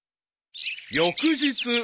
［翌日］